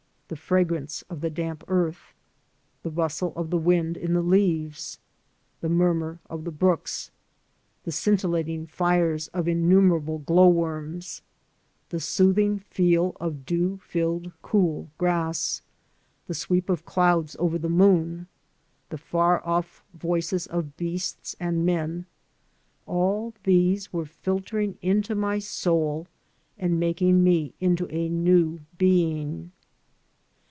The fragrance of the damp earth, the rustle of the wind in the leaves, the murmur of brooks, the scintillat ing fires of innumerable glow worms, the soothing feel of dew filled cool grass, the sweep of clouds over the moon, the far oflf voices of beasts and men — ^all these were filtering into my soul and making me into a new being.